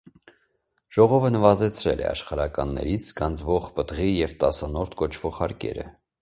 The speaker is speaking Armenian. Ժողովը նվազեցրել է աշխարհականներից գանձվող պտղի և տասանորդ կոչվող հարկերը։